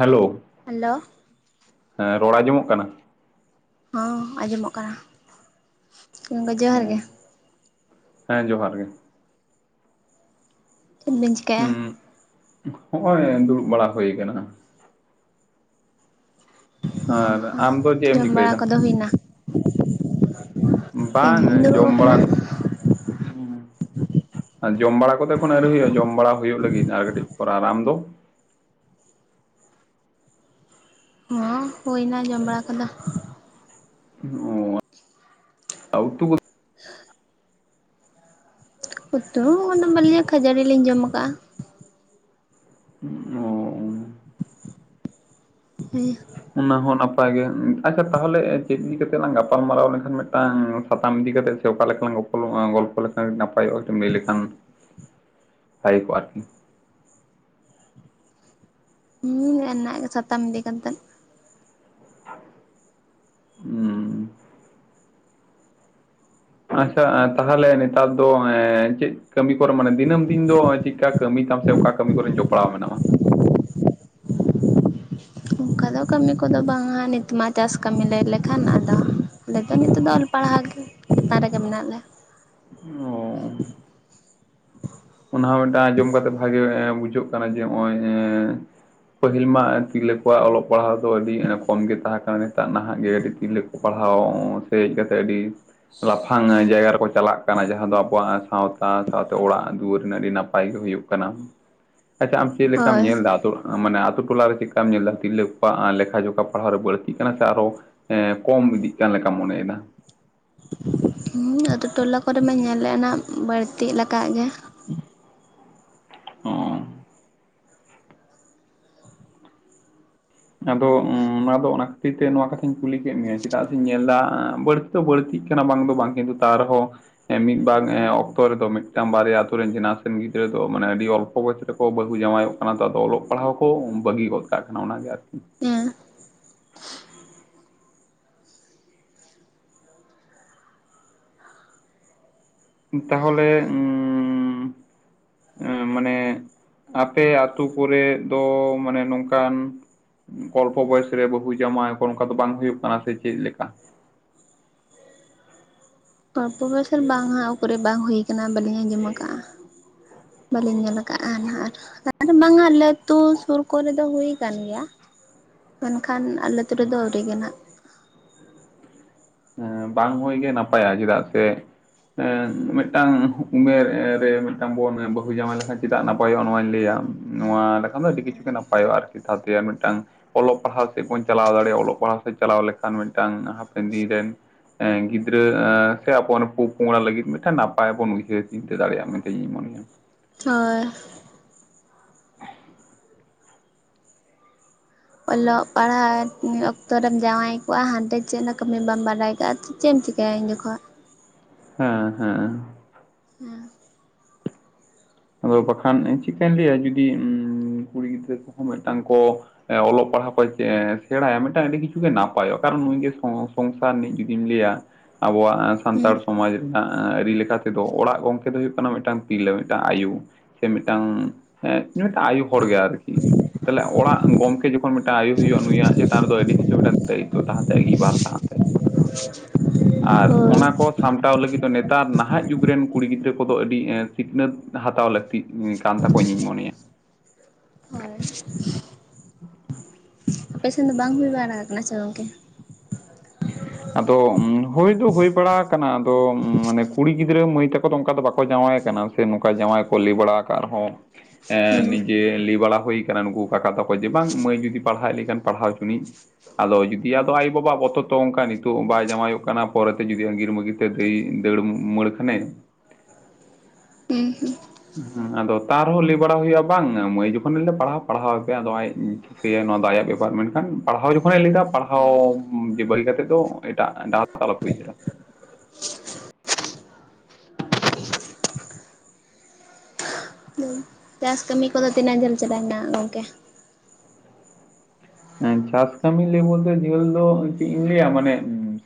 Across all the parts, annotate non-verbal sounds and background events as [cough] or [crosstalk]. Hello hello ᱦᱮᱸ ᱨᱚᱲ ᱟᱸᱡᱚᱢᱚᱜ ᱠᱟᱱᱟ ᱦᱚᱸ ᱟᱸᱡᱚᱢᱚᱜ ᱠᱟᱱᱟ ᱜᱚᱝᱠᱮ ᱡᱚᱦᱟᱨ ᱜᱮ ᱦᱮᱸ ᱡᱚᱦᱟᱨ ᱜᱮ ᱪᱮᱫ ᱵᱤᱱ ᱪᱤᱠᱟᱹᱭᱟ ᱦᱩᱸ ᱦᱚᱸᱜ-ᱚᱭ ᱫᱩᱲᱩᱵ ᱵᱟᱲᱟ ᱦᱳᱭ ᱠᱟᱱᱟ ᱦᱟᱸ ᱟᱨ ᱦᱚᱸ ᱦᱚᱸ ᱟᱢ ᱫᱚ ᱪᱮᱫ ᱮᱢ ᱡᱚᱢ ᱪᱤᱠᱟᱹᱭ ᱵᱟᱲᱟ ᱫᱟ ᱠᱚᱫᱚ ᱦᱩᱭᱱᱟ ᱤᱧ ᱵᱟᱝ-ᱮ ᱦᱚᱧ ᱫᱩᱲᱩᱵ ᱡᱚᱢ ᱵᱟᱲᱟ ᱟᱠᱟᱱᱟ ᱩ ᱡᱚᱢ ᱵᱟᱲᱟ ᱠᱚᱫᱚ ᱠᱷᱚᱱ ᱟᱹᱣᱨᱤ ᱦᱩᱭᱩᱜ-ᱟ ᱡᱚᱢ ᱵᱟᱲᱟ ᱦᱩᱭᱩᱜ ᱞᱟᱹᱜᱤᱫ ᱟᱨ ᱠᱟᱹᱴᱤᱡ ᱟᱨ ᱟᱨᱟᱢ ᱫᱚ ᱦᱚᱸ ᱦᱩᱭ ᱮᱱᱟ ᱡᱚᱢ ᱵᱟᱲᱟ ᱠᱚᱫᱚ [unintelligible] ᱟᱨ ᱩᱛᱩ ᱠᱚ ᱩᱛᱩ ᱚᱱᱟ ᱵᱟᱞᱤᱧᱟᱜ ᱠᱷᱟᱹᱡᱟᱹᱨᱤ ᱞᱤᱧ ᱡᱚᱢ ᱠᱟᱟᱜ-ᱟ [unintelligible] [unintelligible] ᱚᱱᱟ ᱦᱚᱸ ᱱᱟᱯᱟᱭ ᱜᱮ ᱟᱪᱪᱷᱟ ᱛᱟᱦᱚᱞᱮ ᱪᱮᱫ ᱤᱫᱤ ᱠᱟᱛᱮ ᱞᱟᱝ ᱜᱟᱯᱟᱞᱢᱟᱨᱟᱣ ᱞᱮᱝᱠᱷᱟᱱ ᱢᱮᱫᱴᱟᱝ ᱥᱟᱛᱟᱢ ᱤᱫᱤ ᱠᱟᱛᱮ ᱚᱠᱟ ᱞᱮᱠᱟᱞᱟᱝ ᱜᱚᱯᱚᱞᱚᱜ-ᱟ ᱜᱚᱞᱯᱚ ᱞᱮᱠᱷᱟᱱ ᱱᱟᱯᱟᱭᱚᱜ-ᱟ ᱞᱟᱹᱭ ᱞᱮᱠᱷᱟᱱ ᱵᱷᱟᱜᱮ ᱠᱚᱜ-ᱟ ᱟᱨᱠᱤ ᱦᱩᱸ ᱱᱮ-ᱮ ᱨᱮᱱᱟᱜ ᱜᱮ ᱥᱟᱛᱟᱢ ᱤᱫᱤ ᱠᱟᱛᱮᱫ ᱩᱸ ᱟᱪᱪᱷᱟ ᱮ ᱛᱟᱦᱚᱞᱮ ᱱᱮᱛᱟᱨ ᱫᱚ ᱮ ᱪᱮᱫ ᱠᱟᱹᱢᱤ ᱠᱚᱨᱮ ᱢᱟᱱᱮ ᱫᱤᱱᱟᱹᱢ ᱫᱤᱱ ᱫᱚ ᱪᱤ ᱮ ᱠᱟᱹᱢᱤ ᱛᱟᱢ ᱚᱠᱟ ᱠᱟᱹᱢᱤ ᱠᱚᱨᱮᱱ ᱡᱚᱯᱲᱟᱣ ᱢᱮᱱᱟᱜ ᱢᱟ ᱚᱱᱠᱟ ᱫᱚ ᱠᱟᱹᱢᱤ ᱠᱚᱫᱚ ᱵᱟᱝᱟ ᱱᱤᱛ ᱢᱟ ᱪᱟᱥ ᱠᱟᱹᱢᱤ ᱞᱟᱹᱭ ᱞᱮᱠᱷᱟᱱ ᱟᱫᱚ ᱟᱞᱮ ᱫᱚ ᱱᱤᱛᱚᱜ ᱫᱚ ᱚᱞ ᱯᱟᱲᱦᱟᱣ ᱜᱮ ᱪᱮᱛᱟᱱ ᱨᱮᱜᱮ ᱢᱮᱱᱟᱜ ᱞᱮᱭᱟ ᱚ ᱚᱱᱟ ᱦᱚᱸ ᱢᱮᱫᱴᱟᱱ ᱟᱸᱡᱚᱢ ᱠᱟᱛᱮᱜ ᱵᱷᱟᱜᱮ ᱮ ᱵᱩᱡᱷᱟᱹᱜ ᱠᱟᱱᱟ ᱡᱮ ᱱᱚᱜᱼᱚᱭ ᱮ ᱯᱟᱹᱦᱤᱞ ᱢᱟ ᱛᱤᱨᱞᱟᱹ ᱠᱚᱣᱟᱜ ᱚᱞᱚᱜ ᱯᱟᱲᱦᱟᱣ ᱫᱚ ᱟᱹᱰᱤ ᱮᱲᱮ ᱠᱚᱢ ᱜᱮ ᱛᱟᱦᱮᱸ ᱠᱟᱱᱟ ᱱᱤᱛᱟᱜ ᱱᱟᱦᱟᱜ ᱜᱮ ᱟᱹᱰᱤ ᱛᱤᱨᱞᱟᱹ ᱠᱚ ᱯᱟᱲᱦᱟᱣ ᱥᱮ ᱦᱮᱡ ᱠᱟᱛᱮ ᱟᱹᱰᱤ ᱞᱟᱯᱷᱟᱝ ᱡᱟᱭᱜᱟ ᱨᱮᱠᱚ ᱪᱟᱞᱟᱜ ᱠᱟᱱᱟ, ᱡᱟᱦᱟᱸ ᱫᱚ ᱟᱵᱚᱣᱟᱜ ᱥᱟᱶᱛᱟ ᱥᱟᱶᱛᱮ ᱚᱲᱟᱜ ᱫᱩᱣᱟᱹᱨ ᱨᱮᱱᱟᱜ ᱟᱹᱰᱤ ᱱᱟᱯᱟᱭ ᱜᱮ ᱦᱩᱭᱩᱜ ᱠᱟᱱᱟ ᱾ ᱟᱪᱪᱷᱟ ᱟᱢ ᱪᱮᱫ ᱞᱮᱠᱟᱢ ᱦᱳᱭ ᱧᱮᱞᱫᱟ ᱟᱛ ᱢᱟᱱᱮ ᱟᱛᱳ ᱴᱚᱞᱟᱮ ᱪᱮᱫᱠᱟᱢ ᱧᱮᱞᱫᱟ, ᱛᱤᱨᱞᱟᱹ ᱠᱚᱣᱟᱜ ᱞᱮᱠᱷᱟ ᱡᱚᱠᱷᱟ ᱯᱟᱲᱦᱟᱣ ᱨᱮ ᱵᱟᱹᱲᱛᱤᱜ ᱠᱟᱱᱟ ᱥᱮ ᱟᱨᱚ ᱥᱮ ᱠᱚᱢ ᱤᱫᱤᱜ ᱠᱟᱱ ᱞᱮᱠᱟᱢ ᱢᱚᱱᱮᱭᱮᱫᱟᱰ᱾ ᱦᱩᱸ ᱟᱛᱳ ᱴᱚᱞᱟ ᱠᱚᱨᱮ ᱢᱟ ᱧᱮᱞᱮᱜᱼᱟ ᱱᱟᱜ ᱵᱟᱹᱲᱛᱤᱜ ᱜᱮ᱾ ᱚᱸ ᱟᱫᱚ ᱚᱱᱟ ᱫᱚ ᱚᱱᱟ ᱠᱷᱟᱹᱛᱤᱨ ᱛᱮ ᱱᱚᱣᱟ ᱠᱟᱛᱷᱟᱧ ᱠᱩᱞᱤ ᱠᱮᱫ ᱢᱮᱭᱟ ᱪᱮᱫᱟᱜ ᱥᱮᱧ ᱧᱮᱞᱫᱟ ᱵᱟᱹᱲ ᱵᱟᱹᱲᱛᱤᱜ ᱠᱟᱱᱟ ᱵᱟᱝ ᱫᱚ ᱵᱟᱝ ᱠᱤᱱᱛᱩ ᱛᱟᱣ ᱨᱮᱦᱚᱸ ᱮᱸ ᱢᱤᱫ ᱵᱟᱨ ᱮᱸ ᱚᱠᱛᱚ ᱨᱮᱫᱚ ᱢᱤᱫᱴᱟᱝ ᱵᱟᱨᱭᱟ ᱟᱛᱳ ᱨᱮᱱ ᱡᱮᱱᱟᱥ ᱨᱮᱱ ᱜᱤᱫᱽᱨᱟᱹ ᱫᱚ ᱢᱟᱱᱮ ᱟᱹᱰᱤ ᱚᱞᱯᱚ ᱵᱚᱭᱚᱥ ᱨᱮ ᱠᱚ ᱵᱟᱹᱦᱩ ᱡᱟᱶᱟᱭᱚᱜ ᱠᱟᱱᱟ ᱛᱚ ᱚᱞᱚᱜ ᱯᱟᱲᱦᱟᱜ ᱠᱚ ᱵᱟᱹᱜᱤ ᱜᱚᱫ ᱠᱟᱜ ᱠᱟᱱᱟ ᱚᱱᱟᱜᱮ ᱟᱨᱠᱤ᱾ ᱦᱮᱸ ᱛᱟᱦᱚᱞᱮ ᱩᱸᱻ ᱮ ᱢᱟᱱᱮ ᱟᱯᱮ ᱟᱛᱳ ᱠᱚᱨᱮ ᱫᱚ ᱢᱟᱱᱮ ᱱᱚᱝᱠᱟᱱ ᱠᱚᱞᱯᱚ ᱵᱚᱭᱮᱥ ᱨᱮ ᱵᱟᱹᱦᱩ ᱡᱟᱢᱶᱟᱭᱠᱚ ᱚᱱᱠᱟ ᱫᱚ ᱵᱟᱝ ᱦᱩᱭᱩᱜ ᱠᱟᱱᱟ ᱥᱮ ᱪᱮᱫ ᱞᱮᱠᱟ? ᱚᱞᱯᱚ ᱰᱚᱭᱚᱥ ᱨᱮ ᱵᱟᱝᱼᱟ ᱚᱠᱚᱨᱮ ᱵᱟᱝ ᱦᱩᱭᱩ ᱟᱠᱟᱱᱟ ᱵᱟᱹᱞᱤᱧ ᱟᱸᱡᱚᱢ ᱠᱟᱜᱼᱟ᱾ ᱵᱟᱹᱞᱤᱧ ᱧᱮᱞ ᱟᱨ ᱱᱟᱸᱼᱟ ᱵᱟᱝᱟ ᱟᱞᱮᱟᱹᱛᱩ ᱥᱩᱨ ᱠᱚᱨᱮ ᱫᱚ ᱦᱩᱭ ᱠᱟᱱ ᱜᱮᱭᱟ᱾ ᱢᱮᱱᱠᱷᱟᱱ ᱟᱞᱮᱛᱳ ᱨᱮᱫᱚ ᱟᱹᱣᱨᱤ ᱜᱮ ᱱᱟᱦᱟᱸᱜ᱾ ᱦᱮᱸ ᱵᱟᱝ ᱦᱳᱭ ᱜᱮ ᱱᱟᱯᱟᱭᱟ ᱪᱮᱫᱟᱜ ᱥᱮ ᱮ ᱢᱤᱫᱴᱟᱝ ᱩᱢᱮᱨ ᱨᱮ ᱢᱤᱫᱴᱟᱝ ᱵᱚᱱ ᱵᱟᱹᱦᱩ ᱡᱟᱶᱟᱭ ᱞᱮᱠᱷᱟᱱ ᱪᱮᱫᱟᱜ ᱱᱟᱯᱟᱭᱚᱜᱼᱟ ᱱᱚᱣᱟᱧ ᱞᱟᱹᱭᱟ᱾ ᱱᱚᱣᱟ ᱞᱮᱠᱷᱟᱱ ᱫᱚ ᱟᱹᱰᱤ ᱠᱤᱪᱷᱩ ᱜᱮ ᱱᱟᱯᱟᱭᱚᱜᱼᱟ ᱟᱨᱠᱤ ᱛᱟ ᱛᱮ ᱟᱨ ᱢᱤᱫᱴᱟᱝ ᱚᱞᱚᱜ ᱯᱟᱲᱦᱟᱣ ᱥᱮᱜ ᱵᱚᱱ ᱪᱟᱞᱟᱣ ᱫᱟᱲᱮᱭᱟᱜᱼᱟ ᱚᱞᱚᱜ ᱯᱟᱲᱦᱟᱣ ᱥᱮᱫ ᱪᱟᱞᱟᱣ ᱞᱮᱠᱷᱟᱱ ᱢᱤᱫᱴᱟᱝ ᱦᱟᱯᱮᱱ ᱫᱤᱱ ᱨᱮᱱ ᱮ ᱜᱤᱫᱽᱨᱟᱹ ᱥᱮ ᱟᱵᱚ ᱯᱚ ᱯᱚᱝᱲᱟ ᱞᱟᱹᱜᱤᱫ ᱢᱤᱫᱴᱟᱝ ᱱᱟᱯᱟᱭ ᱵᱚᱱ ᱩᱭᱦᱟᱹᱨ ᱪᱤᱱᱛᱟᱹ ᱫᱟᱲᱮᱭᱟᱜᱼᱟ ᱢᱮᱱᱛᱮ ᱤᱧ ᱢᱚᱱᱮᱭᱟ᱾ ᱦᱚᱭ ᱠ ᱚᱞᱚᱜ ᱯᱟᱲᱦᱟᱣ ᱚᱠᱛᱚᱨᱮᱢ ᱡᱟᱶᱟᱭ [unintelligible] ᱦᱟᱱᱛᱮ ᱪᱮᱫ ᱦᱚᱸ ᱠᱟᱹᱢᱤ ᱵᱟᱢ ᱵᱟᱨᱟᱭ ᱠᱟᱜᱼᱟ ᱪᱮ ᱮᱢ ᱪᱤᱠᱟᱹᱭᱟ ᱩᱱ ᱡᱚᱠᱷᱚᱜ ᱦᱮᱸ ᱦᱮᱸ ᱦᱩᱸ ᱟᱫᱚ ᱵᱟᱠᱷᱟᱱ ᱪᱮᱫᱠᱟᱹᱧ ᱞᱟᱹᱭᱟ ᱡᱩᱫᱤ, ᱠᱩᱲᱤ ᱜᱤᱫᱽᱨᱟᱹ ᱠᱚᱦᱚᱸ ᱢᱤᱫᱴᱟᱝ ᱠᱚ ᱚᱞᱚᱜ ᱯᱟᱲᱦᱟᱣ ᱠᱚ ᱥᱮᱬᱟᱭᱟ ᱢᱤᱫᱴᱟᱱ ᱟᱹᱰᱤ ᱠᱤᱪᱷᱩ ᱜᱮ ᱱᱟᱯᱟᱭᱚᱜ, ᱠᱟᱨᱚᱱ ᱱᱩᱭᱜᱮ ᱥᱚᱝᱥᱟᱨ ᱨᱤᱱᱤᱡ ᱡᱩᱫᱤᱢ ᱞᱟᱹᱭᱟ ᱟᱵᱚᱣᱟᱜ ᱦᱮᱸ ᱥᱟᱱᱛᱟᱲ ᱥᱚᱢᱟᱡᱽ ᱨᱮᱱᱟᱜ ᱟᱹᱨᱤ ᱞᱮᱠᱟ ᱛᱮᱫᱚ, ᱚᱲᱟᱜ ᱜᱚᱝᱠᱮ ᱫᱚ ᱦᱩᱭᱩᱜ ᱠᱟᱱᱟ ᱢᱤᱫᱴᱟᱝ ᱛᱤᱨᱞᱟᱹ᱾ ᱴᱟᱜ ᱟᱭᱩ ᱥᱮ ᱢᱤᱫᱴᱟᱝ, ᱢᱤᱫᱴᱟᱝ ᱟᱭᱳ ᱦᱚᱲ ᱜᱮ ᱟᱨᱠᱤ᱾ ᱛᱟᱦᱚᱞᱮ ᱚᱲᱟᱜ ᱜᱚᱢᱠᱮ ᱡᱚᱠᱷᱚᱱ ᱢᱤᱫᱴᱟᱝ ᱟᱭᱳ ᱦᱩᱭᱩᱜᱼᱟ ᱱᱩᱭᱟᱜ ᱪᱮᱛᱟᱱ ᱨᱮᱫᱚ ᱟᱹᱰᱤ ᱠᱤᱪᱷᱩ ᱢᱤᱫᱴᱟᱝ ᱫᱟᱭᱤᱛᱛᱚ ᱛᱟᱦᱮᱸᱱ ᱛᱟᱭ ᱟᱜᱤᱵᱟᱨ ᱛᱟᱦᱮᱸᱱ ᱛᱟᱭᱟ᱾ [inaudible] ᱟᱨ ᱦᱳᱭ ᱚᱱᱟ ᱠᱚ ᱥᱟᱢᱴᱟᱣ ᱞᱟᱹᱜᱤᱫ ᱫᱚ ᱱᱮᱛᱟᱨ ᱱᱟᱦᱟᱜ ᱡᱩᱜᱽ ᱨᱮᱱ ᱠᱩᱲᱤ ᱜᱤᱫᱽᱨᱟᱹ ᱠᱚᱫᱚ ᱟᱹᱰᱤ ᱥᱤᱠᱷᱱᱟᱹᱛ ᱦᱟᱛᱟᱣ ᱞᱟᱹᱠᱛᱤᱜ ᱠᱟᱱ ᱛᱟᱠᱚᱣᱟ ᱤᱧᱤᱧ ᱢᱚᱱᱮᱭᱟ᱾ ᱦᱚᱭ ᱟᱯᱮ ᱥᱮᱱ ᱫᱚ ᱵᱟᱝ ᱦᱩᱭ ᱵᱟᱲᱟ ᱠᱟᱱᱟ ᱥᱮ ᱜᱚᱝᱠᱮ ᱟᱫᱚ ᱦᱳᱭ ᱫᱚ ᱦᱳᱭ ᱵᱟᱲᱟ ᱠᱟᱱᱟ ᱟᱫᱚ ᱢᱟᱱᱮ ᱠᱩᱲᱤ ᱜᱤᱫᱽᱨᱟᱹ ᱢᱟᱹᱭ ᱛᱟᱠᱚ ᱫᱚ ᱚᱱᱠᱟ ᱫᱚ ᱵᱟᱠᱚ ᱡᱟᱶᱟᱭ ᱠᱟᱱᱟ ᱥᱮ ᱱᱚᱝᱠᱟ ᱡᱟᱶᱟᱭ ᱠᱚ ᱞᱟᱹᱭ ᱵᱟᱲᱟ ᱠᱟᱜ ᱨᱮᱦᱚᱸ ᱦᱮᱸ ᱱᱤᱡᱮ ᱞᱮ ᱵᱟᱲᱟ ᱦᱳᱭ ᱠᱟᱱᱟ ᱱᱩᱠᱩ [inaudible] ᱛᱟᱠᱚ ᱡᱮ ᱵᱟᱝ ᱢᱟᱹᱭ ᱡᱩᱫᱤ ᱯᱟᱲᱦᱟᱣᱮᱫ ᱞᱮᱠᱷᱟᱱ ᱯᱟᱲᱦᱟᱣ ᱪᱩᱱᱤᱡ ᱟᱫᱚ ᱡᱩᱫᱤ ᱟᱫᱚ ᱟᱡ ᱟᱭᱳ ᱵᱟᱵᱟ ᱟᱜ ᱵᱚᱛᱚ ᱚᱝᱠᱟ ᱜᱮ᱾ ᱛᱚᱜ ᱵᱟᱭ ᱡᱟᱶᱟᱭᱚᱜ ᱠᱟᱱᱟ ᱯᱚᱨᱮᱛᱮ ᱡᱩᱫᱤ ᱟᱜᱤᱨ ᱢᱟᱹᱜᱤᱨ ᱛᱮ ᱫᱟᱹᱭ ᱫᱟᱹᱲ ᱢᱟᱹᱲ ᱠᱷᱟᱱᱮ [unintelligible] ᱟᱫᱚ ᱛᱟ ᱨᱮᱦᱚᱸ ᱞᱟᱹᱭ ᱵᱟᱲᱟ ᱦᱳᱭᱳᱜᱼᱟ ᱵᱟᱝ ᱢᱟᱹᱭ ᱡᱚᱠᱷᱚᱱᱮ ᱞᱮᱫᱟ ᱯᱟᱲᱦᱟᱣ ᱯᱟᱲᱦᱟᱣ ᱮᱯᱮ ᱟᱫᱚ ᱟᱡ ᱱᱚᱣᱟ ᱫᱚ ᱟᱭᱟᱜ ᱵᱮᱯᱟᱨ ᱢᱮᱱᱠᱷᱟᱱ ᱯᱟᱲᱦᱟᱣ ᱡᱚᱠᱷᱚᱱᱮ ᱞᱮᱫᱟ ᱯᱟᱲᱦᱟᱣ ᱡᱮ ᱵᱟᱹᱜᱤ ᱠᱟᱛᱮᱫ ᱫᱚ ᱮᱴᱟᱜ [unintelligible] ᱟᱞᱚᱯᱮ ᱩᱭᱦᱟᱹᱨᱟ᱾ ᱪᱟᱥ ᱠᱟᱹᱢᱤ ᱠᱚᱫᱚ ᱛᱤᱱᱟᱹᱜ ᱡᱷᱟᱹᱞ ᱪᱟᱞᱟᱣᱮᱱᱟ ᱜᱚᱝᱠᱮ? ᱦᱮᱸ ᱪᱟᱥ ᱠᱟᱹᱢᱤ ᱞᱟᱹᱭ ᱵᱚᱞᱛᱮ ᱡᱷᱟᱹᱞ ᱫᱚ ᱪᱮᱫ ᱤᱧ ᱞᱟᱹᱭᱟ ᱢᱟᱱᱮ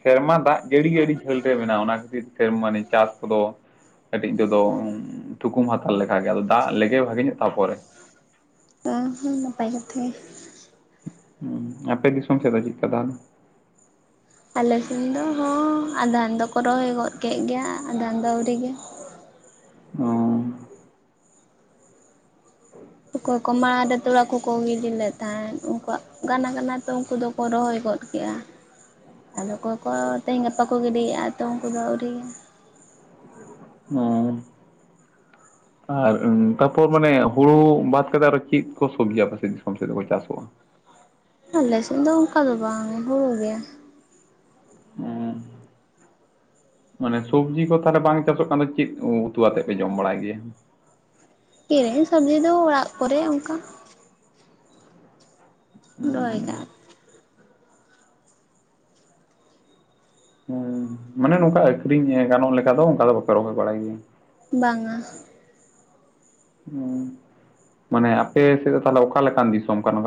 ᱥᱮᱨᱢᱟ ᱫᱟᱜ ᱡᱟᱹᱲᱤ ᱜᱮ ᱟᱹᱰᱤ ᱡᱷᱟᱹᱞ ᱨᱮ ᱢᱮᱱᱟᱜᱼᱟ ᱚᱱᱟ ᱠᱷᱟᱹᱛᱤᱨ ᱛᱮ ᱢᱟᱱᱮ ᱪᱟᱥ ᱠᱚᱫᱚ ᱠᱟᱹᱴᱤᱡ ᱛᱮᱫᱚ ᱛᱷᱩᱠᱩᱢ ᱦᱟᱛᱟᱲ ᱞᱮᱠᱟ ᱜᱮ ᱟᱫᱚ ᱫᱟᱜ ᱞᱮᱜᱮ ᱵᱷᱟᱜᱮ ᱧᱚᱜ ᱛᱟᱯᱚᱨᱮ ᱚ ᱦᱚᱸ ᱱᱟᱯᱟᱭ ᱠᱟᱛᱷᱟ ᱜᱮ ᱟᱯᱮ ᱫᱤᱥᱚᱢ ᱥᱮᱫ ᱫᱚ ᱪᱮᱫᱠᱟ ᱛᱟᱦᱞᱮ ᱟᱞᱮ ᱥᱮᱱ ᱫᱚ ᱦᱚᱸ ᱟᱫᱷᱟᱱ ᱫᱚᱠᱚ ᱨᱚᱦᱚᱭ ᱜᱚᱫ ᱠᱮᱫ ᱜᱮᱭᱟ ᱟᱫᱷᱟᱱ ᱫᱚ ᱟᱹᱣᱨᱤ ᱜᱮ ᱚ [unintelligible] [inaudible] ᱚᱠᱚᱭ ᱠᱚᱢᱟ [inaudible] ᱛᱚᱞᱟ ᱠᱚᱠᱚ ᱜᱤᱰᱤ ᱞᱮᱫ ᱛᱟᱦᱮᱸᱫ ᱩᱱᱠᱩᱣᱟᱜ ᱜᱟᱱ ᱠᱟᱱᱟ ᱛᱚ ᱩᱱᱠᱩ ᱫᱚ ᱠᱚ ᱨᱚᱦᱚᱭ ᱜᱚᱫ ᱠᱮᱜᱼᱟ ᱟᱫᱚ ᱚᱠᱚᱭ ᱠᱚ ᱛᱮᱦᱮᱧ ᱜᱟᱯᱟ ᱠᱚ ᱜᱤᱰᱤᱭᱮᱜᱼᱟ ᱛᱚ ᱩᱱᱠᱩ ᱫᱚ ᱟᱣᱨᱤ ᱚ ᱟᱨ ᱛᱟᱯᱚᱨ ᱢᱟᱱᱮ ᱦᱳᱲᱳ ᱵᱟᱫ ᱠᱟᱛᱮ ᱟᱨᱚ ᱪᱮᱫ ᱠᱚ ᱥᱚᱵᱡᱤ ᱟᱯᱮ ᱥᱮᱫ ᱫᱤᱥᱚᱢ ᱥᱮᱫ ᱫᱚ ᱠᱚ ᱪᱟᱥᱚᱜᱼᱟ ᱟᱞᱮᱥᱮᱫ ᱫᱚ ᱚᱱᱠᱟ ᱫᱚ ᱵᱟᱝ ᱦᱳᱲᱳ ᱜᱮᱭᱟ ᱚ ᱢᱟᱱᱮ ᱥᱚᱵᱽᱡᱤ ᱠᱚ ᱛᱟᱦᱚᱞᱮ ᱵᱟᱝ ᱪᱟᱥᱚᱜ ᱠᱟᱱᱫᱚ ᱪᱮᱫ ᱩᱛᱩ ᱟᱛᱮᱫ ᱯᱮ ᱡᱚᱢ ᱵᱟᱲᱟᱭ ᱜᱮᱭᱟ ᱠᱤᱨᱤᱧ ᱥᱚᱵᱽᱡᱤ ᱫᱚ ᱚᱲᱟᱜ ᱠᱚᱨᱮ ᱚᱱᱠᱟ ᱨᱚᱦᱚᱭ ᱠᱟᱜ ᱦᱮᱸ ᱢᱟᱱᱮ ᱱᱚᱝᱠᱟ ᱟᱹᱠᱷᱨᱤᱧ ᱜᱟᱱᱚᱜ ᱞᱮᱠᱟ ᱫᱚ ᱚᱱᱠᱟ ᱫᱚ ᱵᱟᱯᱮ ᱨᱚᱦᱚᱭ ᱵᱟᱲᱟᱭ ᱜᱮᱭᱟ ᱵᱟᱝᱼᱟ ᱚ ᱢᱟᱱᱮ ᱟᱯᱮ ᱥᱮᱫ ᱫᱚ ᱛᱟᱦᱚᱞᱮ ᱚᱠᱟ ᱞᱮᱠᱟᱱ ᱫᱤᱥᱚᱢ ᱠᱟᱱᱟ,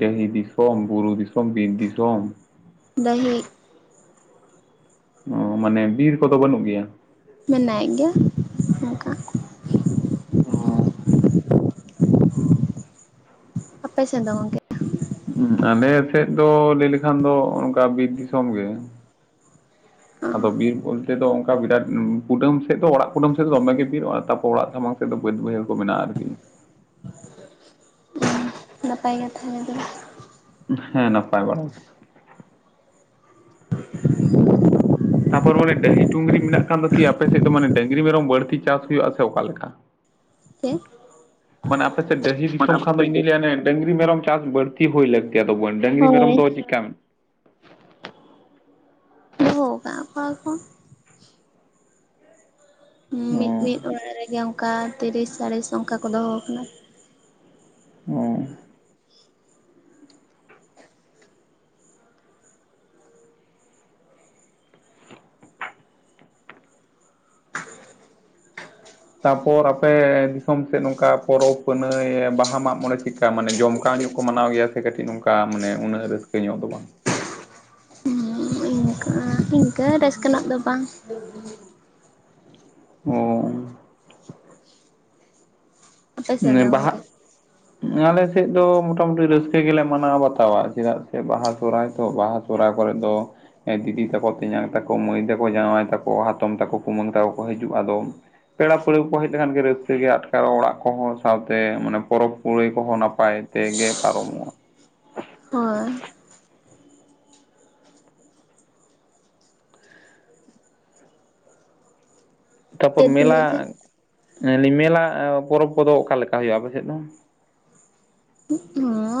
ᱰᱟᱹᱦᱤ ᱫᱤᱥᱚᱢ ᱵᱩᱨᱩ ᱫᱤ ᱥᱚᱵ ᱵᱤᱨ ᱫᱤᱥᱚᱢ ᱰᱟᱹᱦᱤ ᱚ ᱢᱟᱱᱮ ᱵᱤᱨ ᱠᱚᱫᱚ ᱵᱟᱹᱱᱩᱜ ᱜᱮᱭᱟ ᱢᱮᱱᱟᱣᱮᱜ ᱜᱮᱭᱟ ᱱᱚᱝᱠᱟ ᱚ ᱟᱯᱮ ᱥᱮᱱ ᱫᱚ ᱜᱚᱝᱠᱮ ᱦᱩᱸ, ᱟᱞᱮ ᱥᱮᱫ ᱫᱚ ᱞᱟᱹᱭ ᱞᱮᱠᱷᱟᱱ ᱫᱚ ᱚᱝᱠᱟ ᱵᱤᱨ ᱫᱤᱥᱚᱢ ᱜᱮ ᱟᱫᱚ ᱵᱤᱨ ᱵᱚᱞᱛᱮᱹ ᱫᱚ ᱚᱱᱠᱟ ᱵᱤᱨᱟᱴ ᱠᱩᱴᱟᱹᱢ ᱥᱮᱫ ᱫᱚ ᱚᱲᱟᱜ ᱠᱩᱰᱟᱹᱢ ᱥᱮᱫ ᱫᱚᱢᱮᱜᱮ ᱵᱤᱨᱚᱜᱼᱟ, ᱛᱟᱯᱚᱨ ᱚᱲᱟᱜ ᱥᱟᱢᱟᱝ ᱥᱮᱫ ᱫᱚ ᱵᱟᱹᱫᱽ ᱵᱟᱹᱭᱦᱟᱹᱲ ᱠᱚ ᱢᱮᱱᱟᱜᱼᱟ ᱟᱹᱨᱠᱤ᱾ ᱱᱟᱯᱟᱭ ᱜᱮ ᱛᱟᱦᱮᱞᱮ ᱫᱚ ᱦᱮᱸ ᱱᱟᱯᱟᱭ ᱵᱟᱲᱟ ᱛᱟᱯᱚᱨ ᱚᱱᱮ ᱰᱟᱹᱦᱤ ᱰᱩᱝᱨᱤ ᱢᱮᱱᱟᱜ ᱠᱟᱱ ᱫᱚ ᱠᱤ ᱟᱯᱮ ᱥᱮᱫ ᱫᱚ ᱢᱟᱱᱮ ᱰᱟᱹᱝᱨᱤ ᱢᱮᱨᱚᱢ ᱵᱟᱹᱲᱛᱤ ᱪᱟᱥ ᱦᱩᱭᱩᱜᱼᱟ ᱥᱮ ᱚᱠᱟ ᱞᱮᱠᱟ? [unintelligible] ᱪᱮᱫ ᱢᱟᱱᱮ ᱟᱯᱮ ᱥᱮᱫ ᱰᱟᱦᱤ ᱢᱟᱱᱮ ᱫᱤᱥᱚᱢ ᱟᱯᱮ ᱠᱷᱟᱱ ᱫᱚ ᱥᱮᱫ ᱤᱧᱫᱩᱧ ᱞᱟᱹᱭᱟ ᱚᱱᱮ ᱰᱟᱝᱨᱤ ᱢᱮᱨᱚᱢ ᱪᱟᱥ ᱵᱟᱲᱛᱤ ᱦᱳᱭ ᱫᱚ ᱵᱚᱱ ᱰᱟᱝᱨᱤ ᱦᱳᱭ ᱢᱮᱨᱚᱢ ᱫᱚ ᱪᱮᱫ ᱠᱟᱹᱢᱤ ᱫᱚᱦᱚ ᱠᱟᱫ ᱠᱚᱣᱟ ᱠᱚ ᱚ ᱢᱤᱫ ᱢᱤᱫ ᱚᱲᱟᱜ ᱨᱮᱜᱮ ᱚᱝᱠᱟ ᱛᱤᱨᱤᱥ ᱯᱟᱨᱤᱥ ᱚᱝᱠᱟ ᱠᱚ ᱫᱚᱦᱚ ᱠᱟᱱᱟ ᱚ ᱛᱟᱯᱚᱨ ᱟᱯᱮ ᱫᱤᱥᱚᱢ ᱥᱮᱫ ᱱᱚᱝᱠᱟ ᱯᱚᱨᱚᱵᱽ ᱯᱩᱱᱟᱹᱭ ᱵᱟᱦᱟ ᱢᱟᱜ ᱢᱚᱬᱮ ᱪᱮᱫ ᱵᱟ ᱢᱟᱱᱮ ᱡᱚᱢᱠᱟᱣ ᱧᱚᱜ ᱠᱚ ᱢᱟᱱᱟᱣ ᱜᱮᱭᱟ ᱥᱮ ᱠᱟᱹᱴᱤᱡ ᱱᱚᱝᱠᱟ ᱢᱟᱱᱮ ᱩᱱᱟᱹᱜ ᱨᱟᱹᱥᱠᱟᱹ ᱧᱚᱜ ᱫᱚ ᱵᱟᱝ ᱩᱸ ᱚᱝᱠᱟ ᱚᱝᱠᱟ ᱨᱟᱹᱥᱠᱟᱹᱱᱟᱜ ᱫᱚ ᱵᱟᱝ ᱚ ᱟᱯᱮ ᱥᱮᱱ ᱫᱚ ᱵᱟᱦᱟ ᱜᱚᱝᱠᱮ ᱟᱞᱮ ᱥᱮᱫ ᱫᱚ ᱢᱚᱴᱟᱢᱩᱴᱤ ᱨᱟᱹᱥᱠᱟᱹ ᱜᱮᱞᱮ ᱢᱟᱱᱟᱣ ᱵᱟᱛᱟᱣᱟ ᱪᱮᱫᱟᱜ ᱥᱮ ᱵᱟᱦᱟ ᱥᱚᱦᱨᱟᱭ ᱛᱚ ᱵᱟᱦᱟ ᱥᱚᱦᱨᱟᱭ ᱠᱚᱨᱮ ᱫᱚ ᱦᱮᱸ, ᱫᱤᱫᱤ ᱛᱟᱠᱚ, ᱛᱮᱧᱟᱝ ᱛᱟᱠᱚ, ᱢᱟᱹᱭ ᱛᱟᱠᱚ, ᱡᱟᱶᱟᱭ ᱛᱟᱠᱚ, ᱦᱟᱛᱚᱢ ᱛᱟᱠᱚ, ᱠᱩᱢᱟᱹᱝ ᱛᱟᱠᱚ ᱠᱚ ᱦᱤᱡᱩᱜ-ᱟ ᱟᱫᱚ ᱯᱮᱲᱟ ᱯᱟᱹᱦᱬᱟᱹ ᱠᱚ ᱦᱮᱡ ᱞᱮᱠᱷᱟᱱ ᱜᱮ ᱨᱟᱹᱥᱠᱟᱹᱜ ᱜᱮ ᱟᱴᱠᱟᱨᱚᱜ ᱚᱲᱟᱜ ᱠᱚᱦᱚᱸ ᱥᱟᱶᱛᱮ ᱢᱟᱱᱮ ᱯᱚᱨᱚᱵᱽ ᱠᱩᱲᱟᱹᱭ ᱠᱚᱦᱚᱸ ᱱᱟᱯᱟᱭ ᱛᱮ ᱜᱮ ᱯᱟᱨᱚᱢᱚᱜ-ᱟ ᱦᱳᱭ ᱛᱟᱯᱚᱨ ᱪᱮᱫ ᱵᱤᱱ ᱢᱮᱞᱟ, ᱞᱟᱹᱭᱮᱫ ᱛᱟᱦᱮᱸᱫ? [unintelligible] ᱢᱮᱞᱟ ᱯᱚᱨᱚᱵᱽ ᱠᱚᱫᱚ ᱚᱠᱟ ᱞᱮᱠᱟ ᱦᱩᱭᱩᱜᱼᱟ ᱟᱯᱮ ᱥᱮᱫ ᱫᱚ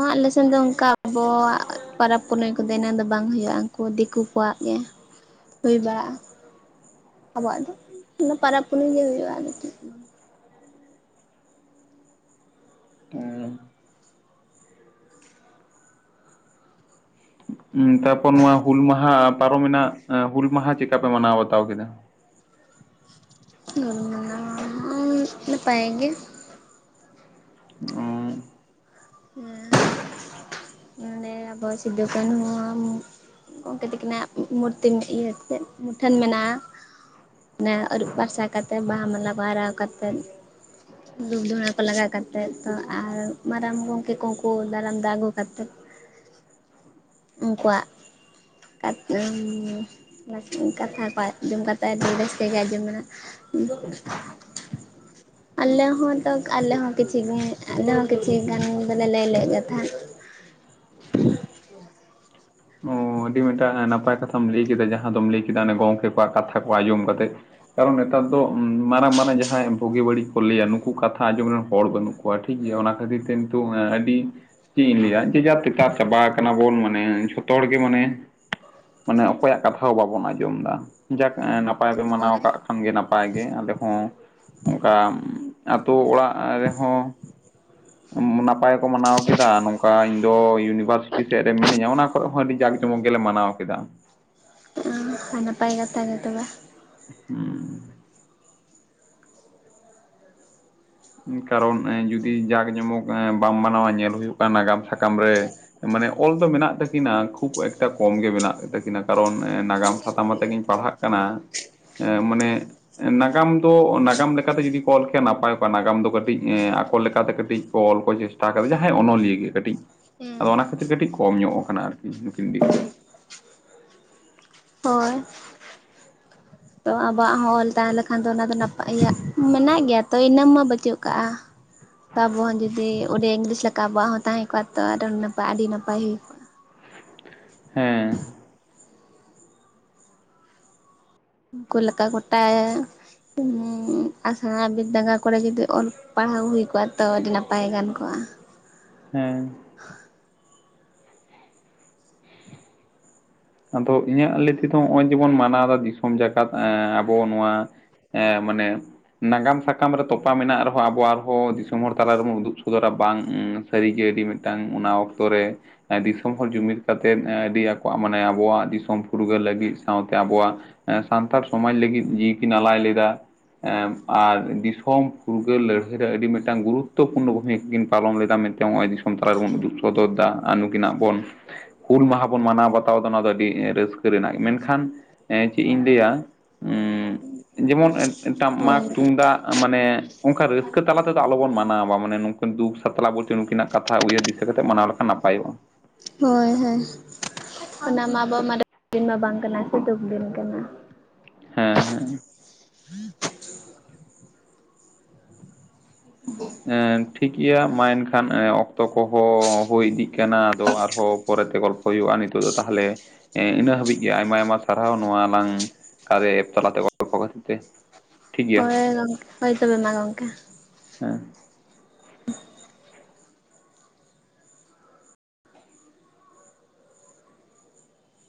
ᱚ ᱟᱞᱮᱥᱮᱱ ᱫᱚ ᱚᱝᱠᱟ ᱟᱵᱚᱣᱟᱜ ᱯᱚᱨᱚᱵᱽ ᱯᱩᱱᱟᱹᱭ ᱠᱚᱫᱚ ᱤᱱᱟᱹᱜ ᱫᱚ ᱵᱟᱝ ᱦᱩᱭᱩᱜᱼᱟ ᱠᱚ ᱫᱤᱠᱩ ᱠᱚᱣᱟᱜ ᱜᱮ ᱦᱩᱭ ᱵᱟᱲᱟᱜᱼᱟ ᱟᱵᱚᱣᱟᱜ ᱫᱚ ᱤᱱᱟᱹ ᱯᱚᱨᱚᱵᱽ ᱯᱩᱱᱟᱹᱭ ᱜᱮ ᱦᱩᱭᱩᱜᱼᱟ ᱟᱫᱚ ᱪᱮᱫ ᱜᱮ ᱵᱟᱝ ᱚ ᱛᱟᱯᱚᱨ ᱱᱚᱣᱟ ᱦᱩᱞ ᱢᱟᱦᱟ ᱯᱟᱨᱚᱢᱮᱱᱟ ᱦᱩᱞ ᱢᱟᱦᱟ ᱪᱮᱫᱠᱟ ᱯᱮ ᱢᱟᱱᱟᱣ ᱵᱟᱛᱟᱣ ᱠᱮᱫᱟ ᱚ ᱱᱟᱯᱟᱭᱜᱮ ᱚ ᱱᱚᱰᱮᱸ ᱟᱵᱚ ᱥᱤᱫᱩ ᱠᱟᱹᱱᱦᱩ ᱟᱜ ᱢᱩ ᱜᱚᱝᱠᱮ ᱛᱟᱹᱠᱤᱱᱟᱜ ᱢᱩᱨᱛᱤ ᱤᱭᱟᱹ ᱠᱚ ᱢᱩᱴᱷᱟᱹᱱ ᱢᱮᱱᱟᱜᱼᱟ ᱦᱮᱸ ᱟᱹᱨᱩᱵ ᱯᱷᱟᱨᱪᱟ ᱠᱟᱛᱮᱫ ᱵᱟᱦᱟ ᱢᱟᱞᱟ ᱟᱨᱟᱣ ᱠᱟᱛᱮᱫ ᱫᱷᱩᱯ ᱫᱷᱩᱬᱟᱹ ᱠᱚ ᱞᱟᱜᱟ ᱠᱟᱛᱮᱫ ᱛᱚ ᱟᱨ ᱢᱟᱨᱟᱝ ᱜᱚᱜ [unintelligible] ᱠᱚ ᱫᱟᱨᱟᱢᱫᱟ ᱟᱹᱜᱩ ᱠᱟᱛᱮᱫ ᱩᱱᱠᱩᱣᱟᱜ [unintelligible] ᱠᱟᱛᱷᱟᱴᱟᱜ ᱟᱸᱡᱚᱢ ᱠᱟᱛᱮᱫ ᱟᱹᱰᱤ ᱨᱟᱹᱥᱠᱟᱹ ᱜᱮ ᱟᱸᱡᱚᱢᱮᱱᱟ [unintelligible] ᱟᱞᱮ ᱦᱚᱸ ᱛᱚ ᱟᱞᱮ ᱦᱚᱸ ᱠᱤᱪᱷᱤ ᱜᱟᱱ ᱟᱞᱮ ᱦᱚᱸ ᱠᱤᱪᱷᱤ ᱜᱟᱱ ᱫᱚᱞᱮ ᱞᱟᱹᱭ ᱞᱮᱫ ᱜᱮ ᱛᱟᱦᱮᱸᱫ ᱚ ᱟᱹᱰᱤ ᱢᱤᱫᱴᱟᱝ ᱱᱟᱯᱟᱭ ᱠᱟᱛᱷᱟᱢ ᱞᱟᱹᱭ ᱠᱮᱫᱟ ᱡᱟᱦᱟᱸ ᱫᱚᱢ ᱞᱟᱹᱭ ᱠᱮᱫᱟ ᱚᱱᱮ ᱜᱚᱝᱠᱮ ᱠᱚᱣᱟᱜ ᱠᱟᱛᱷᱟ ᱠᱚ ᱟᱸᱡᱚᱢ ᱠᱟᱛᱮᱫ ᱠᱟᱨᱚᱱ ᱱᱮᱛᱟᱨ ᱫᱚ ᱢᱟᱨᱟᱝ ᱢᱟᱨᱟᱝ ᱡᱟᱦᱟᱸᱭ ᱵᱩᱜᱤ ᱵᱟᱹᱲᱤᱡ ᱠᱚ ᱞᱟᱹᱭᱟ ᱱᱩᱠᱩ ᱠᱟᱛᱷᱟ ᱟᱸᱡᱚᱢ ᱨᱮᱱ ᱦᱚᱲ ᱵᱟᱹᱱᱩᱜ ᱠᱚᱣᱟ᱾ ᱚ, ᱴᱷᱤᱠ ᱜᱮᱭᱟ ᱚᱱᱟ ᱠᱷᱟᱹᱛᱤᱨ ᱛᱮ ᱱᱤᱛᱚᱜ ᱟᱹᱰᱤ ᱪᱮᱫ ᱤᱧ ᱞᱟᱹᱭᱟ ᱡᱮᱡᱟᱨ ᱛᱮᱛᱟᱨ ᱪᱟᱵᱟ ᱟᱠᱟᱱᱟ ᱵᱚᱱ ᱢᱟᱱᱮ ᱡᱷᱚ ᱛᱚᱲ ᱜᱮ ᱢᱟᱱᱮ ᱢᱟᱱᱮ ᱚᱠᱚᱭᱟᱜ ᱠᱟᱛᱷᱟ ᱦᱚᱸ ᱵᱟᱵᱚᱱ ᱟᱸᱡᱚᱢ ᱫᱟ ᱡᱟᱠ ᱯᱟᱭ ᱜᱮ ᱢᱟᱱᱟᱣ ᱦᱳᱭ ᱠᱟᱜ᱾ ᱠᱷᱚᱱ ᱜᱮ ᱱᱟᱯᱟᱭ ᱜᱮ ᱟᱞᱮ ᱦᱚᱸ ᱚᱱᱠᱟ ᱟᱛᱳ ᱚᱲᱟᱜ ᱨᱮᱦᱚᱸ᱾ ᱱᱟᱯᱟᱭ ᱠᱚ ᱢᱟᱱᱟᱣ ᱠᱮᱫᱟ ᱱᱚᱝᱠᱟ ᱤᱧ ᱫᱚ ᱤᱭᱩᱱᱤᱵᱷᱟᱨ--᱾ [unintelligible] ᱥᱮᱫ ᱨᱮ ᱢᱤᱱᱤᱧᱟ ᱚᱱᱟ ᱠᱚᱨᱮ ᱦᱚᱸ ᱟᱹᱰᱤ ᱡᱟᱠ ᱡᱚᱢᱚᱠ ᱜᱮᱞᱮ ᱢᱟᱱᱟᱣ ᱠᱮᱫᱟ᱾ ᱟᱨ ᱱᱟᱯᱟᱭ ᱠᱟᱛᱷᱟ ᱜᱮ ᱛᱚᱵᱮ᱾ ᱦᱩᱸ ᱠᱟᱨᱚᱱ ᱡᱩᱫᱤ ᱡᱟᱠ ᱡᱚᱢᱚᱠ ᱵᱟᱢ ᱢᱟᱱᱟᱣᱟ ᱧᱮᱞ ᱦᱩᱭᱩᱜ ᱠᱟᱱ ᱱᱟᱜᱟᱢ ᱥᱟᱠᱟᱢ ᱨᱮ᱾ ᱢᱟᱱᱮ ᱚᱞ ᱫᱚ ᱢᱮᱱᱟᱜ ᱛᱟᱹᱠᱤᱱᱟ ᱠᱷᱩᱵ ᱮᱠᱴᱟ ᱠᱚᱢ ᱜᱮ ᱢᱮᱱᱟᱜ ᱛᱟᱹᱠᱤᱱᱟ ᱠᱟᱨᱚᱱ ᱱᱟᱜᱟᱢ ᱥᱟᱛᱟᱢ ᱟᱛᱮ ᱜᱤᱧ ᱯᱟᱲᱦᱟᱜ ᱠᱟᱱᱟ, ᱮᱸ ᱢᱟᱱᱮ ᱱᱟᱜᱟᱢ ᱫᱚ ᱱᱟᱜᱟᱢ ᱞᱮᱠᱟᱛᱮ ᱡᱩᱫᱤ ᱠᱚ ᱚᱞ ᱠᱮᱭᱟ ᱱᱟᱯᱟᱭ ᱱᱟᱜᱟᱢ ᱫᱚ ᱠᱟᱹᱴᱤᱡ ᱟᱠᱚ ᱞᱮᱠᱟᱛᱮ ᱠᱟᱹᱴᱤᱡ ᱚᱞ ᱠᱚ ᱪᱮᱥᱴᱟ ᱠᱟᱫᱟ ᱡᱟᱦᱟᱭ ᱚᱱᱚᱞᱤᱭᱟᱹ ᱜᱮ ᱠᱟᱹᱴᱤᱡ᱾ ᱦᱮᱸ ᱟᱫᱚ ᱚᱱᱟ ᱠᱷᱟᱹᱛᱤᱨ ᱠᱟᱹᱴᱤᱡ ᱠᱚᱢ ᱧᱚᱜ ᱠᱟᱱᱟ ᱟᱨᱠᱤ ᱱᱩᱠᱤᱱ ᱤᱫᱤ ᱠᱟᱛᱮ᱾ ᱦᱳᱭ᱾ ᱛᱚ ᱟᱵᱚᱣᱟᱜ ᱦᱚᱸ ᱚᱞ ᱛᱟᱦᱮᱸ ᱞᱮᱠᱷᱟᱱ ᱫᱚ ᱚᱱᱟ ᱫᱚ ᱱᱟᱯᱟ, ᱤᱭᱟᱹ ᱢᱮᱱᱟᱜ ᱜᱮᱭᱟ ᱛᱚ ᱤᱱᱟᱹ ᱢᱟ ᱵᱟᱹᱪᱩᱜ ᱠᱟᱜᱼᱟ ᱾ ᱛᱚ ᱟᱵᱚ ᱦᱚᱸ ᱡᱩᱫᱤ ᱚᱸᱰᱮ ᱤᱝᱞᱤᱥ ᱞᱮᱠᱟ ᱟᱵᱚᱣᱟᱜ ᱦᱚᱸ ᱛᱟᱦᱮᱸ ᱠᱚᱜᱼᱟ ᱛᱚ ᱟᱨᱚ ᱱᱟᱯᱟᱭ ᱟᱹᱰᱤ ᱱᱟᱯᱟᱭ ᱦᱩᱭ᱾ ᱠᱚᱜᱼᱟ ᱦᱮᱸ᱾ ᱩᱱᱠᱩ ᱞᱮᱠᱟ ᱜᱚᱴᱟᱭ ᱟᱥᱲᱟ ᱵᱤᱫᱟᱸᱜᱟᱲ ᱠᱚᱨᱮ ᱡᱩᱫᱤ ᱚᱞ ᱯᱟᱲᱦᱟᱣ ᱦᱩᱭ ᱠᱚᱜᱼᱟ ᱛᱚ ᱟᱹᱰᱤ ᱱᱟᱯᱟᱭ ᱜᱟᱱ ᱠᱚᱜᱼᱟ᱾ ᱦᱮᱸ᱾ [inaudible] ᱟᱫᱚ ᱤᱧᱟᱜ ᱞᱟᱹᱭ ᱛᱮᱫᱚ ᱱᱚᱜᱼᱚᱭ ᱡᱮᱵᱚᱱ ᱢᱟᱱᱟᱣ ᱫᱟ ᱫᱤᱥᱚᱢ ᱡᱟᱠᱟᱛ ᱟᱵᱚ ᱱᱚᱣᱟ᱾ ᱦᱮᱸ ᱢᱟᱱᱮ᱾ ᱱᱟᱜᱟᱢ ᱥᱟᱠᱟᱢ ᱨᱮ ᱛᱚᱯᱟ ᱢᱮᱱᱟᱜ ᱨᱮᱦᱚᱸ ᱟᱵᱚ ᱟᱨᱦᱚᱸ ᱫᱤᱥᱚᱢ ᱦᱚᱲ ᱛᱟᱞᱟᱨ ᱨᱮᱵᱚᱱ ᱩᱫᱩᱜ ᱥᱚᱫᱚᱨᱟ ᱵᱟᱝ ᱩᱸ ᱥᱟᱹᱨᱤᱜᱮ ᱟᱹᱰᱤ ᱢᱤᱫᱴᱟᱝ ᱚᱱᱟ ᱚᱠᱛᱚ ᱨᱮ ᱫᱤᱥᱚᱢ ᱦᱚᱲ ᱡᱩᱢᱤᱫ ᱠᱟᱛᱮ ᱟᱹᱰᱤ ᱟᱠᱚᱣᱟᱜ ᱢᱟᱱᱮ᱾ ᱟᱵᱚᱣᱟᱜ ᱫᱤᱥᱚᱢ ᱯᱷᱩᱨᱜᱟᱹᱞ ᱞᱟᱹᱜᱤᱫ ᱥᱟᱶᱛᱮ ᱟᱵᱚᱣᱟᱜ᱾ ᱥᱟᱱᱛᱟᱲ ᱥᱚᱢᱟᱡ ᱞᱟᱹᱜᱤᱫ ᱡᱤᱣᱤ ᱠᱤᱱ ᱟᱞᱟᱭ ᱞᱮᱫᱟ᱾ ᱮᱸᱜ ᱟᱨ ᱫᱤᱥᱚᱢ ᱯᱷᱩᱨᱜᱟᱹᱞ ᱞᱟᱹᱲᱦᱟᱹᱭ ᱨᱮ ᱟᱹᱰᱤ ᱢᱤᱫᱴᱟᱝ ᱜᱩᱨᱩᱛᱯᱩᱨᱱᱚ ᱵᱷᱩᱢᱤᱠᱟ ᱠᱤᱱ ᱯᱟᱞᱚᱱ ᱞᱮᱫᱟ᱾ ᱱᱚᱜᱼᱚᱭ ᱫᱤᱥᱚᱢ ᱛᱟᱞᱟ ᱨᱮᱵᱚᱱ ᱩᱫᱩᱜ ᱥᱚᱫᱚᱨ ᱫᱟ ᱱᱩᱠᱤᱱᱟᱜ ᱵᱚᱱ ᱦᱩᱞ ᱢᱟᱦᱟ ᱵᱚᱱ ᱢᱟᱱᱟᱣ ᱵᱟᱛᱟᱣ᱾ ᱚᱱᱟ ᱫᱚ ᱟᱹᱰᱤ ᱨᱟᱹᱥᱠᱟᱹ ᱨᱮᱱᱟᱜ ᱢᱮᱱᱠᱷᱟᱱ ᱪᱮᱫ ᱤᱧ ᱞᱟᱹᱭᱟ᱾ ᱩᱸ ᱡᱮᱢᱚᱱ ᱦᱳᱭ ᱴᱟᱢᱟᱠ, ᱛᱩᱢᱫᱟᱜ᱾ ᱢᱟᱱᱮ ᱚᱱᱠᱟ ᱨᱟᱹᱥᱠᱟᱹ ᱛᱟᱞᱟ ᱛᱮᱫᱚ ᱟᱞᱚᱵᱚᱱ ᱢᱟᱱᱟᱣ ᱢᱟᱱᱮ ᱱᱩᱝᱠᱤᱱ ᱫᱩᱠ ᱥᱟᱛᱞᱟ ᱵᱚᱞᱛᱮ ᱱᱩᱠᱤᱱᱟᱜ ᱠᱟᱛᱷᱟ ᱩᱭᱦᱟᱹᱨ ᱫᱤᱥᱟᱹ ᱠᱟᱛᱮ ᱢᱟᱱᱟᱣ ᱞᱮᱠᱷᱟᱱ ᱱᱟᱯᱟᱭᱚᱜᱼᱟ᱾ ᱦᱳᱭ ᱦᱳᱭ᱾ ᱚᱱᱟ ᱢᱟ ᱟᱵᱚ [unintelligible] ᱢᱟᱱᱮ ᱫᱤᱱ ᱢᱟ ᱵᱟᱝ ᱠᱟᱱᱟ ᱥᱮ ᱫᱩᱠ ᱫᱤᱱ ᱠᱟᱱᱟ᱾ ᱦᱮᱸ ᱦᱮᱸ᱾ [inaudible] ᱦᱮᱸ ᱴᱷᱤᱠ᱾ ᱤᱭᱟ ᱢᱟ ᱮᱱᱠᱷᱟᱱ ᱚᱠᱛᱚ ᱠᱚᱦᱚᱸ ᱦᱩᱭ ᱤᱫᱤᱜ ᱠᱟᱱᱟ ᱟᱫᱚ ᱟᱨᱦᱚᱸ ᱯᱚᱨᱮᱛᱮ ᱜᱚᱞᱯᱚ ᱦᱩᱭᱩᱜᱼᱟ ᱱᱤᱛᱚᱜ ᱫᱚ ᱛᱟᱦᱚᱞᱮ ᱤᱱᱟᱹ ᱦᱟᱹᱵᱤᱡ ᱜᱮ ᱟᱭᱢᱟ ᱟᱭᱢᱟ ᱥᱟᱨᱦᱟᱣ ᱱᱚᱣᱟ ᱞᱟᱝ ᱠᱟᱨᱭᱟ ᱮᱯ ᱛᱟᱞᱟᱛᱮ ᱜᱚᱞᱚᱯᱚ ᱠᱷᱟᱹᱛᱤᱨ ᱛᱮ ᱴᱷᱤᱠ ᱜᱮᱭᱟ᱾ ᱦᱳ ᱜᱚᱝᱠᱮ ᱦᱳᱭ ᱛᱚᱵᱮ ᱢᱟ ᱜᱚᱝᱠᱮ᱾ ᱦᱮᱸ᱾